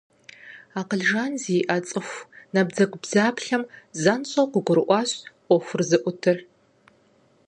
Акъыл жан зиӀэ цӀыху набдзэгубдзаплъэм занщӀэу къыгурыӀуащ Ӏуэхур зыӀутыр.